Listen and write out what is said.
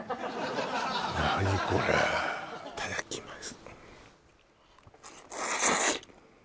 何これいただきます